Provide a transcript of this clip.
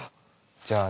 じゃあ次。